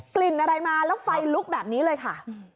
กลิ่นอะไรมาแล้วไฟลุกแบบนี้เลยค่ะ